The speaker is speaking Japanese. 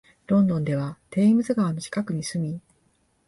ロンドンではテームズ川の近くに住み、